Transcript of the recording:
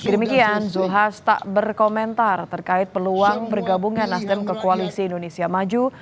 demikian zulkifli hasan tak berkomentar terkait peluang bergabungnya nasdem ke koalisi indonesia maju